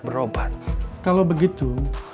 berobat kalau begitu